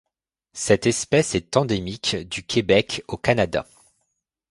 Cette espèce est endémique du Québec au Canada.